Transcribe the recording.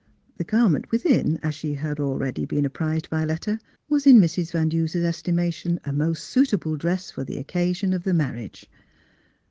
The garment within, as she had already been apprised by letter, was, in Mrs. Van Duser's estimation, a most suitable dress for the occasion of the marriage.